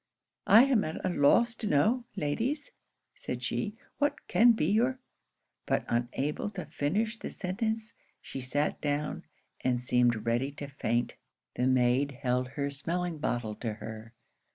'I am at a loss to know, ladies,' said she, 'what can be your' But unable to finish the sentence, she sat down, and seemed ready to faint. The maid held her smelling bottle to her.